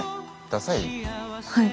ださい？